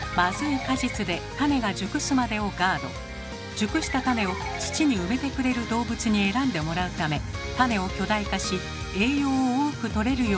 熟した種を土に埋めてくれる動物に選んでもらうため種を巨大化し栄養を多くとれるように進化。